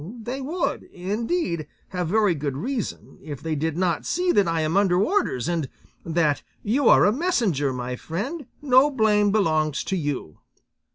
They would, indeed, have very good reason, if they did not see that I am under orders, and that 'you are a messenger, my friend, no blame belongs to you.